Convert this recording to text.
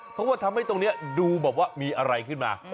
เพราะว่าทำให้ตรงนี้ดูแบบว่ามีอะไรขึ้นมา